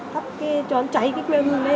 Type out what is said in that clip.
thắp cái tròn cháy cái que hương ấy